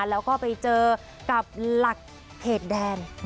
แล้วก็ไปเจอกับหลักเขตแดน